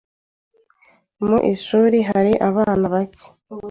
Mu ishuri hari abana bake.